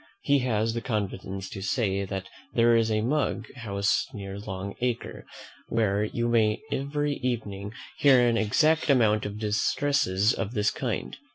He has the confidence to say, that there is a mug house near Long Acre, where you may every evening hear an exact account of distresses of this kind.